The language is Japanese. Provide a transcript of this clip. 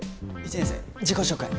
１年生自己紹介。